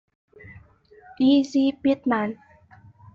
E. C. Pitman.